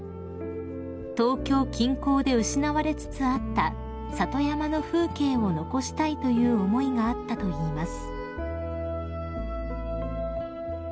［東京近郊で失われつつあった里山の風景を残したいという思いがあったといいます］